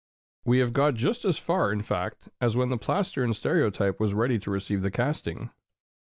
We have got just as far, in fact, as when the plaster in stereotyping was ready to receive the casting.